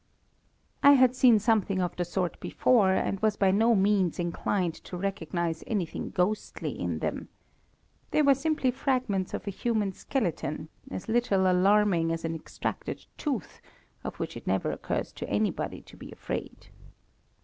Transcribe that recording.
I had seen something of the sort before, and was by no means inclined to recognize anything ghostly in them. They were simply fragments of a human skeleton, as little alarming as an extracted tooth, of which it never occurs to anybody to be afraid.